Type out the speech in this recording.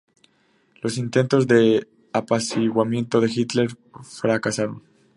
Los intentos de apaciguamiento de Hitler fracasaron.